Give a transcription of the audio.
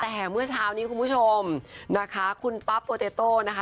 แต่เมื่อเช้านี้คุณผู้ชมนะคะคุณปั๊บโปเตโต้นะคะ